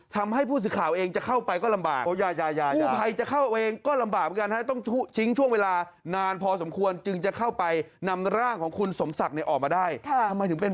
ทำให้ผู้สื่อข่าวเองจะเข้าไปก็ลำบาก